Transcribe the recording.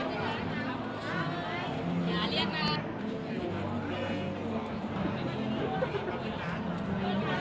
มันยอดทั้งประโยคเกิด